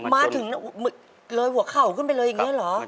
มาถึงเลยหัวเข่าขึ้นไปเลยอย่างนี้เหรอ